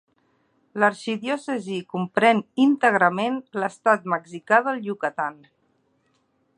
L'arxidiòcesi comprèn íntegrament l'estat mexicà del Yucatán.